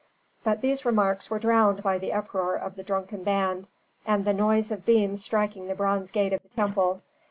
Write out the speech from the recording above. But these remarks were drowned by the uproar of the drunken band, and the noise of beams striking the bronze gate of the temple.